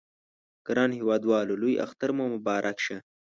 ګرانو هیوادوالو لوی اختر مو مبارک شه!